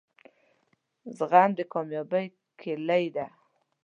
زغم دکامیابۍ کیلي ده